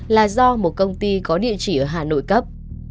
là do một công ty có địa chỉ ở hà nội cấp